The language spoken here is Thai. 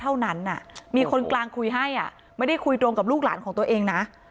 เท่านั้นมีคนกลางคุยให้ไม่ได้คุยตรงกับลูกหลานของตัวเองนะ